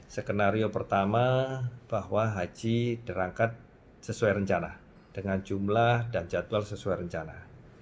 skenario pertama bahwa haji berangkat sesuai rencana dengan jumlah dan jadwal sesuai rencana